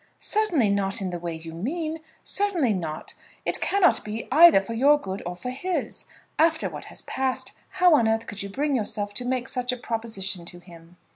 "Certainly not in the way you mean; certainly not. It cannot be either for your good or for his. After what has passed, how on earth could you bring yourself to make such a proposition to him?"